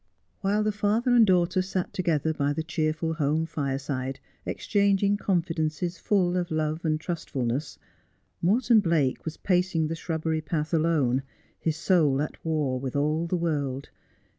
While the father and daughter sat together by the cheerful home fireside, exchanging confidences full of love and trust fulness, Morton Blake was pacing the shrubbery path alone, his soul at war with all the world.